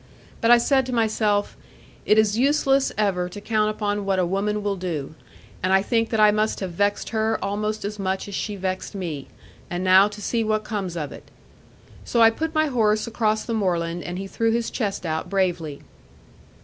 But I said to myself, 'It is useless ever to count upon what a woman will do; and I think that I must have vexed her, almost as much as she vexed me. And now to see what comes of it.' So I put my horse across the moorland; and he threw his chest out bravely.